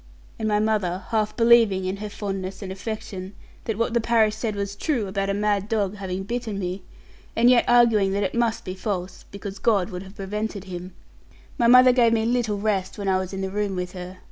And my mother half believing, in her fondness and affection, that what the parish said was true about a mad dog having bitten me, and yet arguing that it must be false (because God would have prevented him), my mother gave me little rest, when I was in the room with her.